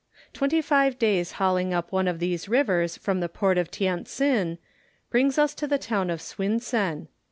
Twenty five days' hauling up one of these rivers from the Port of Tientsin, brings us to the town of Swinsen.